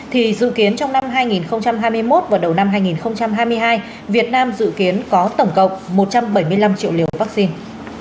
thì dự kiến trong năm hai nghìn hai mươi một và đầu năm hai nghìn hai mươi hai việt nam dự kiến có tổng cộng một trăm bảy mươi năm triệu liều vaccine